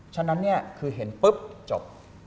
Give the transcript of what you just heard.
ฉะนั้นคือเห็นปุ๊บจบ